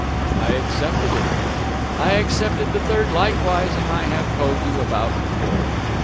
I accepted it. I accepted the third likewise; and I have told you about the fourth....